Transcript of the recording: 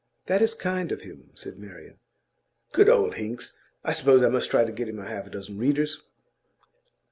'That is kind of him,' said Marian. 'Good old Hinks! I suppose I must try to get him half a dozen readers.